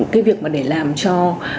cái việc để làm cho